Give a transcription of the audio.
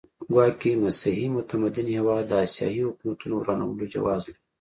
ګواکې مسیحي متمدن هېواد د اسیایي حکومتونو ورانولو جواز لري.